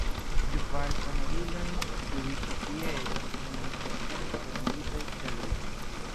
Kvar sonorilojn, kiuj ĉi tie estis, oni forprenis por militaj celoj.